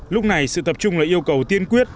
lúc này sự tập trung là yêu cầu tiên quyết